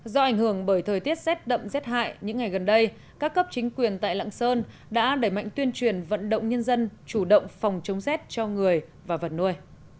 do ảnh hưởng bởi thời tiết rét đậm rét hại những ngày gần đây các cấp chính quyền tại lạng sơn đã đẩy mạnh tuyên truyền vận động nhân dân chủ động phòng chống rét cho người và vật nuôi